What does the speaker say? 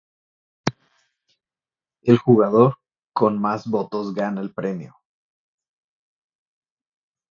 El jugador con más votos gana el premio.